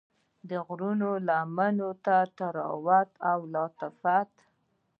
د غرو لمنو ته د طراوت او لطافت